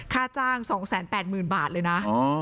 ค่าจ้าง๒๘๐๐๐บาทเลยนะ